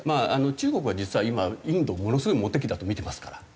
中国は実は今インドをものすごいモテ期だとみてますから。